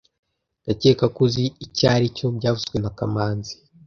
Ndakeka ko uzi icyo aricyo byavuzwe na kamanzi